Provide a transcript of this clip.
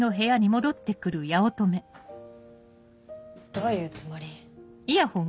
どういうつもり？